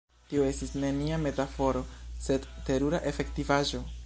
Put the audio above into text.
Tio estis nenia metaforo, sed terura efektivaĵo.